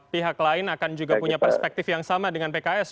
pihak lain akan juga punya perspektif yang sama dengan pks